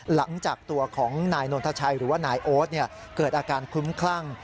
หลังจากตัวของนายนนทชัยหรือว่านายโอ๊ตเกิดอาการคลุ้มคลั่ง